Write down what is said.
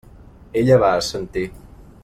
Ella va assentir.